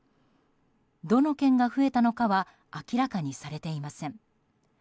どの県が増えたのかは明らかにされていません。